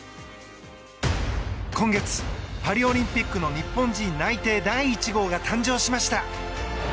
今月、パリオリンピックの日本人内定第１号が誕生しました。